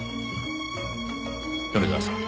米沢さん